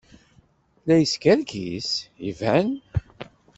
La yeskerkis? Iban.